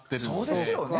そうですよね。